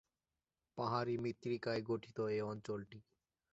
পাহাড়ী মৃত্তিকায় গঠিত এই অঞ্চলটি।